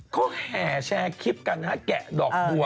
เขาแห่แชร์คลิปกันนะฮะแกะดอกบัว